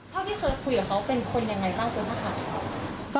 เขาที่เคยคุยกับเขาเป็นคนอย่างไรบ้างครับ